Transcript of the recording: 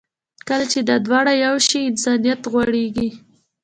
کله چې دا دواړه یو شي، انسانیت غوړېږي.